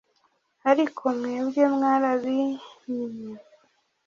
Ariko mwebwe mwarabinyimye